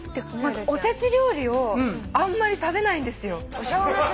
まずおせち料理をあんまり食べないんですよ。